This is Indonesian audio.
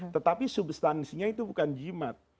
tetapi substansinya itu bukan jimat